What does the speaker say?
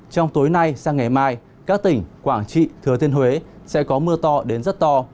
trong tối nay sang ngày mai các tỉnh quảng trị thừa thiên huế sẽ có mưa to đến rất to